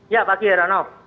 ya pagi erhanov